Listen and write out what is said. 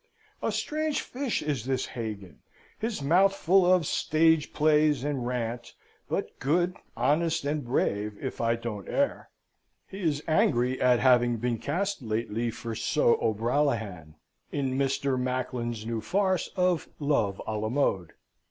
A strange fish is this Hagan: his mouth full of stage plays and rant, but good, honest, and brave, if I don't err. He is angry at having been cast lately for Sir O'Brallaghan, in Mr. Macklin's new farce of Love A la mode.